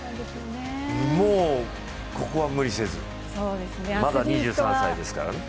もうここは無理せず、まだ２３歳ですからね。